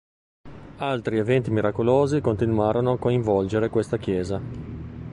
Altri eventi miracolosi continuarono a coinvolgere questa chiesa.